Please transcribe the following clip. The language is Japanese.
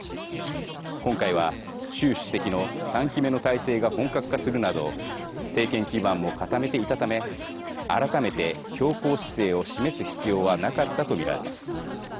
今回は、習主席の３期目の体制が本格化するなど政権基盤も固めていたため改めて強硬姿勢を示す必要はなかったと見られます。